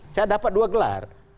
saya dapat dua gelar